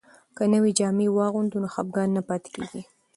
که نوې جامې واغوندو نو خپګان نه پاتې کیږي.